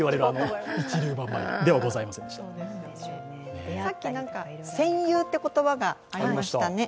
さっき戦友という言葉がありましたね。